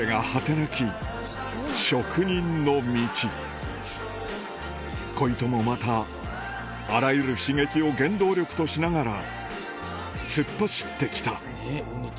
なき職人の道鯉斗もまたあらゆる刺激を原動力としながら突っ走ってきた